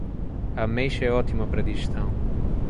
A ameixa é ótima para a digestão.